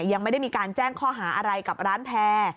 ยังไม่ได้มีการแจ้งข้อหาอะไรกับร้านแพร่